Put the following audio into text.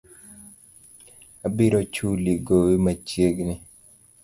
Abiro chuli gowi machiegni